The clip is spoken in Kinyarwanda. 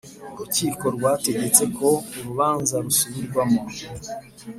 Urukiko rwategetse ko urubanza rusubirwamo